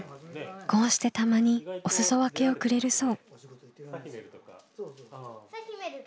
こうしてたまにおすそ分けをくれるそう。